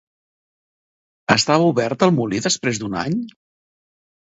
Estava obert el molí després d'un any?